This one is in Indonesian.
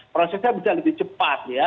prosesnya bisa lebih cepat ya